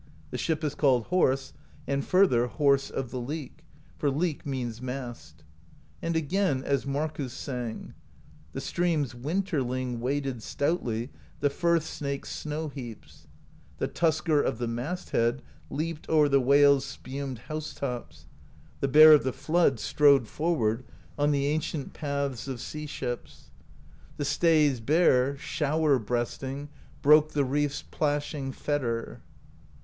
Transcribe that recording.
The ship is called Horse, and further. Horse of the Leek: for Meek' means 'mast.' And again, as Markiis sang: The Stream's Winterling waded Stoutly the Firth Snake's Snow Heaps; The Tusker of the Mast Head Leaped o'er the Whale's spumed House Tops; The Bear of the Flood strode forward On the ancient paths of sea ships; THE POESY OF SKALDS 193 The Stay's Bear, shower breasting, Broke the Reef's splashing Fetter.